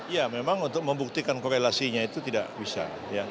ya memang untuk membuktikan korelasinya itu tidak bisa